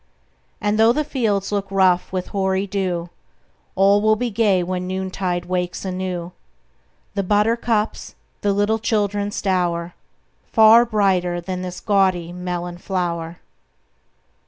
And though the fields look rough with hoary dew, All will be gay when noontide wakes anew The buttercups, the little children's dower Far brighter than this gaudy melon flower!